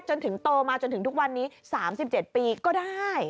จนถึงโตมาจนถึงทุกวันนี้๓๗ปีก็ได้